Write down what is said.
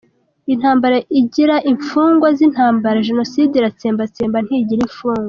Intambara igira imfungwa z’intambara, Jenoside iratsembatsemba, ntigira imfungwa.